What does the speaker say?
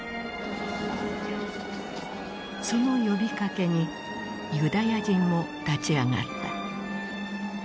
その呼びかけにユダヤ人も立ち上がった。